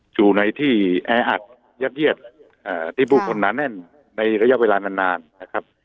อยู่ในที่แออัดยัดเยียดที่ผู้คนหนาแน่นในระยะเวลานานนะครับ